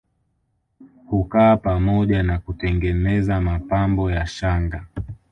Hukaa pamoja na kutengeneza mapambo ya shanga